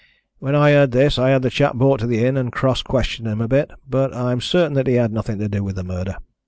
When I heard this I had the chap brought to the inn and cross questioned him a bit, but I am certain that he had nothing to do with the murder.